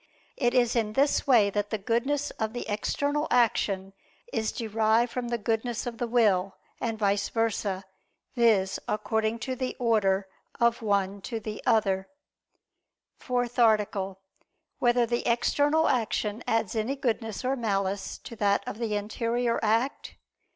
It is in this way that the goodness of the external action is derived from the goodness of the will, and vice versa; viz. according to the order of one to the other. ________________________ FOURTH ARTICLE [I II, Q. 20, Art. 4] Whether the External Action Adds Any Goodness or Malice to That of the Interior Act?